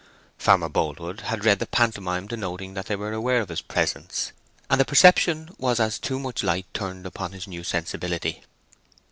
Farmer Boldwood had read the pantomime denoting that they were aware of his presence, and the perception was as too much light turned upon his new sensibility.